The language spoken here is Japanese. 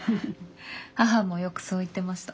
母もよくそう言ってました。